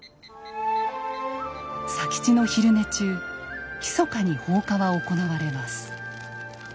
佐吉の昼寝中ひそかに放火は行われます。